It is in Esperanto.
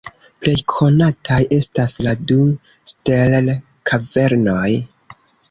Plej konataj estas la du Sterl-kavernoj.